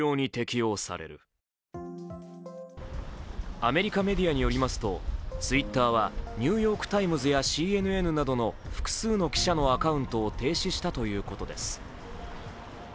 アメリカメディアによりますとＴｗｉｔｔｅｒは「ニューヨーク・タイムズ」やＣＮＮなどの複数の記者のアカウントを停止したということです。